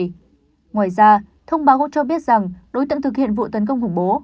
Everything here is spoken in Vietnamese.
ngoài ra thông báo cho biết rằng đối tượng thực hiện vụ tấn công khủng bố